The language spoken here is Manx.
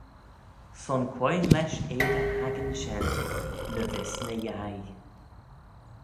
Son quoi lesh eh dy akin shen ny vees ny yei.